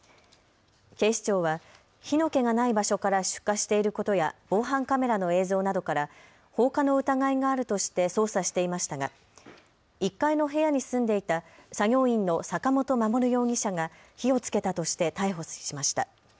警視庁は火の気がない場所から出火していることや防犯カメラの映像などから放火の疑いがあるとして捜査していましたが１階の部屋に住んでいた作業員の坂本守容疑者が火をつけたとして逮捕しました。